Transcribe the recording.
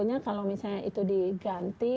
karena kalau misalnya itu diganti